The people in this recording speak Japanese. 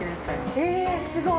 えー、すごい。